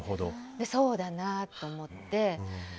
そうだなと思って。